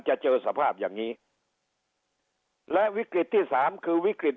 จะเจอสภาพอย่างนี้และวิกฤตที่สามคือวิกฤต